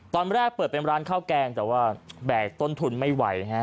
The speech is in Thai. ตอนแรกเปิดเป็นร้านข้าวแกงแต่ว่าแบกต้นทุนไม่ไหวฮะ